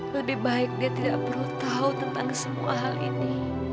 lebih baik dia tidak perlu tahu tentang semua hal ini